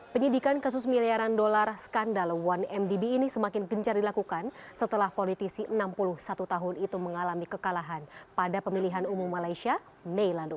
penyidikan kasus miliaran dolar skandal satu mdb ini semakin gencar dilakukan setelah politisi enam puluh satu tahun itu mengalami kekalahan pada pemilihan umum malaysia mei lalu